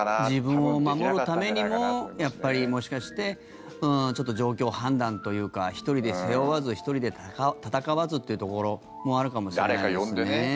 自分を守るためにもやっぱり、もしかしてちょっと状況判断というか１人で背負わず１人で戦わずというところもあるかもしれないですね。